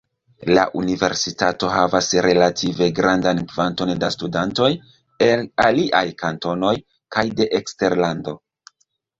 La universitato havas relative grandan kvanton da studantoj el aliaj kantonoj kaj de eksterlando.